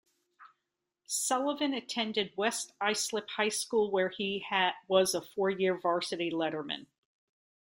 Sullivan attended West Islip High School where he was a four year varsity letterman.